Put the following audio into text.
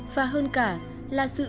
và hơn cả là sự thiếu tâm